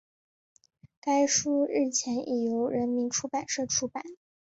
该书日前已由人民出版社出版